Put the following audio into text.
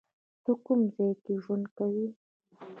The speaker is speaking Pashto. ته کوم ځای کې ژوند کوی؟